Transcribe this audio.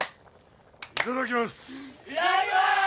いただきます。